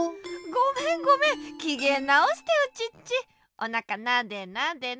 おなかなでなで。